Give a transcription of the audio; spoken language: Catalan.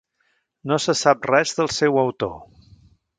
No se sap res del seu autor.